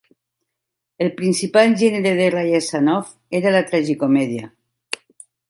El principal gènere de Ryazanov era la tragicomèdia.